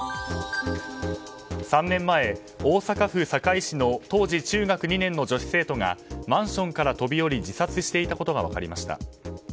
３年前、大阪府堺市の当時中学２年の女子生徒がマンションから飛び降り自殺していたことが分かりました。